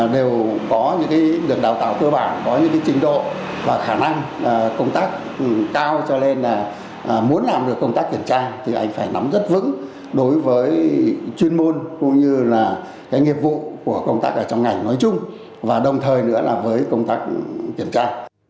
đều có những được đào tạo cơ bản có những trình độ và khả năng công tác cao cho nên là muốn làm được công tác kiểm tra thì anh phải nắm rất vững đối với chuyên môn cũng như là cái nghiệp vụ của công tác ở trong ngành nói chung và đồng thời nữa là với công tác kiểm tra